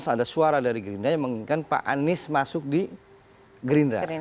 ada suara dari gerindra yang menginginkan pak anies masuk di gerindra